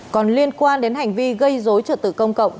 còn liên quan đến hành vi gây dối trật tự công cộng